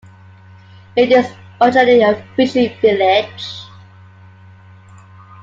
It is originally a fishing village.